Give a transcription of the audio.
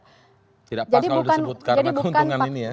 tidak pas kalau disebut karena keuntungan ini ya